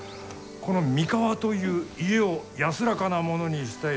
この三河という家をやすらかなものにしたい。